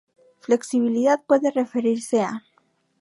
Flexibilidad puede referirse a:.